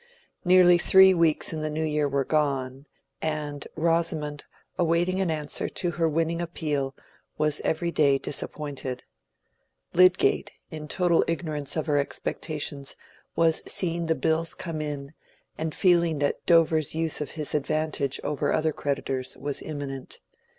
Nearly three weeks of the new year were gone, and Rosamond, awaiting an answer to her winning appeal, was every day disappointed. Lydgate, in total ignorance of her expectations, was seeing the bills come in, and feeling that Dover's use of his advantage over other creditors was imminent.